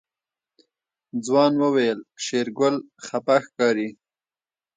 ځوان وويل شېرګل خپه ښکاري.